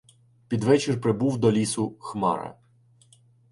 Під вечір прибув до лісу Хмара.